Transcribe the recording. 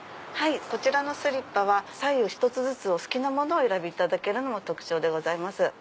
こちらのスリッパは左右一つずつお好きなものをお選びいただけるのも特徴でございます。